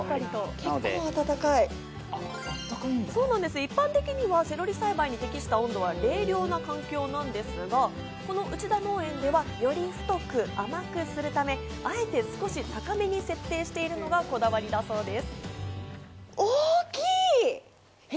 一般的にはセロリ栽培に適した温度は冷涼な環境なんですが、このうちだ農園では、より太く甘くするため、あえて少し高めに設定しているのがこだわりだそうです。